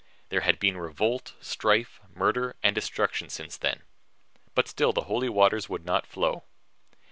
There had been revolt, strife, murder and destruction since then. But still the holy waters would not flow.